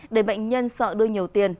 để bệnh nhân sợ đưa nhiều tiền